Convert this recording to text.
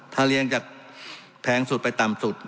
ถ้าเรียงจากแพงสุดไปต่ำสุด